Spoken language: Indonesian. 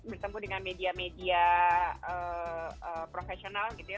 bertemu dengan media media profesional gitu ya